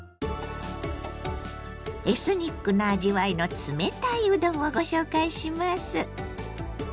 エスニックな味わいの冷たいうどんをご紹介します。